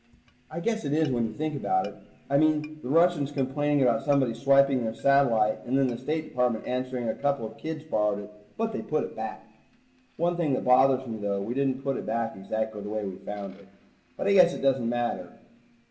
I guess it is when you think about it. I mean, the Russians complaining about somebody swiping their satellite and then the State Department answering a couple of kids borrowed it, but they put it back. One thing that bothers me though, we didn't put it back exactly the way we found it. But I guess it doesn't matter.